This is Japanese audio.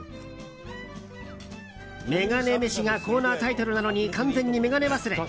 メガネ飯がコーナータイトルなのに完全に眼鏡忘れ。